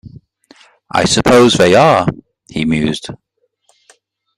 “I suppose they are.” He mused.